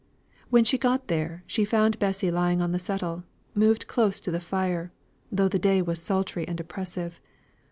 When she got there, she found Bessy lying on the settle, moved close to the fire, though the day was sultry and oppressive.